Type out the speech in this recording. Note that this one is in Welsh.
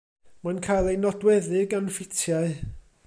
Mae'n cael ei nodweddu gan ffitiau.